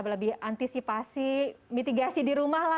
lebih antisipasi mitigasi di rumah lah